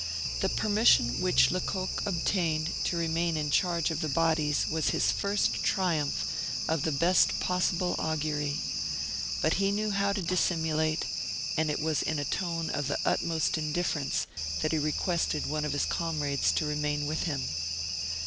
The permission which Lecoq obtained to remain in charge of the bodies was his first triumph of the best possible augury; but he knew how to dissimulate, and it was in a tone of the utmost indifference that he requested one of his comrades to remain with him.